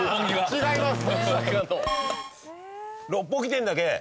違います！